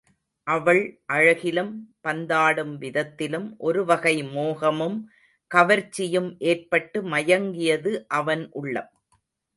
அவள் அழகிலும் பந்தாடும் விதத்திலும் ஒரு வகை மோகமும் கவர்ச்சியும் ஏற்பட்டு மயங்கியது அவன் உள்ளம்.